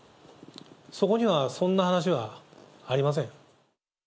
そこにはそんな話はありません。